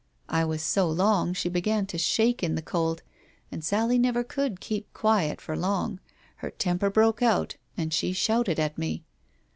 I was so long, she began to shake in the cold. ... And Sally never could keep quiet for long. Her temper broke out and she shouted at me.